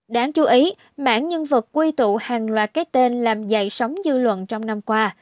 đáng chú ý mảng nhân vật quy tụ hàng loạt cái tên làm dày sóng dư luận trong năm qua